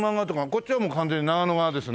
こっちはもう完全に長野側ですね。